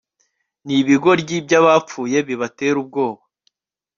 Nibigoryi byabapfuye bibatera ubwoba